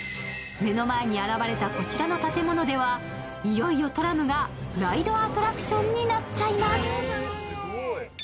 目の前に現れたこちらの建物ではいよいよトラムがライドアトラクションになっちゃいます。